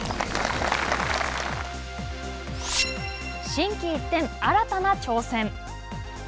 心機一転、新たな挑戦。